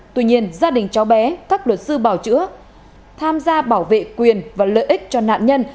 tuy nhiên gia đình cháu bé các luật sư bảo chữa tham gia bảo vệ quyền và lợi ích cho nạn nhân